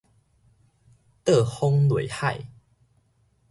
倒風內海